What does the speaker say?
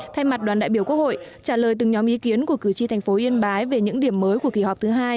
thay mặt đoàn đại biểu quốc hội trả lời từng nhóm ý kiến của cử tri thành phố yên bái về những điểm mới của kỳ họp thứ hai